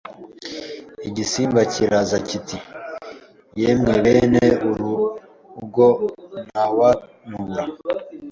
Igisimba kirazakiti: "Yemwe bene urugo ntawantura